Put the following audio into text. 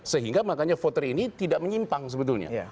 sehingga makanya voter ini tidak menyimpang sebetulnya